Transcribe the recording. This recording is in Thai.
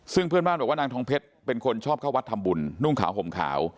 ซึ่งเพื่อนบ้านบอกว่านางทองเพชรเป็นคนชอบเข้าวัดทำบุญนุ่งขาวห่มขาว